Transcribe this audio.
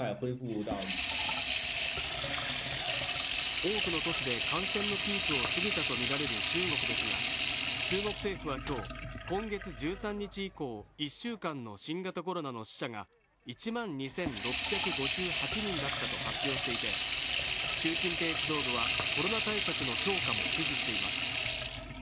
多くの都市で感染のピークを過ぎたとみられる中国ですが、中国政府は今日、今月１３日以降、１週間の新型コロナの死者が１万２６５８人だったと発表していて、習近平指導部はコロナ対策の強化も指示しています。